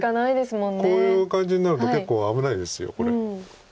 こういう感じになると結構危ないですこれ。